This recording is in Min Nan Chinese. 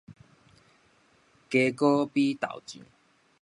雞膏比豆醬